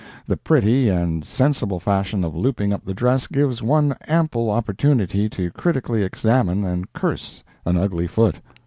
The pretty and sensible fashion of looping up the dress gives one ample opportunity to critically examine and curse an ugly foot.